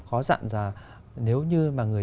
có dặn là nếu như mà người